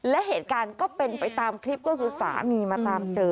และเหตุการณ์ก็เป็นไปตามคลิปก็คือสามีมาตามเจอ